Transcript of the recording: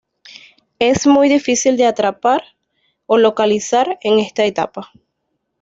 Es muy difícil de atrapar o localizar en esta etapa.